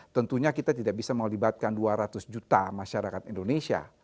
tentunya kita tidak bisa melibatkan dua ratus juta masyarakat indonesia